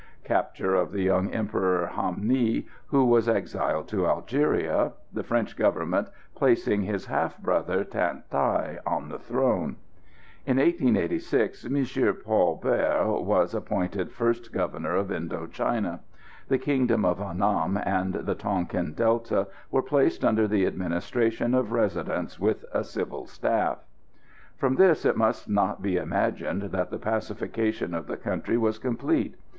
Capture of the young Emperor Ham Nghi, who was exiled to Algeria, the French Government placing his half brother Than Thai on the throne. In 1886 M. Paul Bert was appointed first Governor of Indo China. The kingdom of Annam and the Tonquin Delta were placed under the administration of Residents with a Civil staff. From this it must not be imagined that the pacification of the country was complete.